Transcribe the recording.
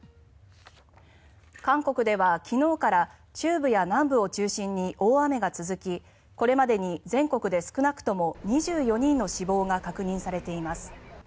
韓国では昨日から中部や南部を中心に大雨が続きこれまでに全国で少なくとも２４人の死亡が確認されています。